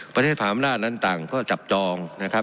ประเทศภาพมนาศนั้นต่างก็จับจองนะครับ